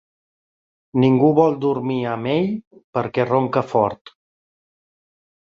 Ningú no vol dormir amb ell perquè ronca fort.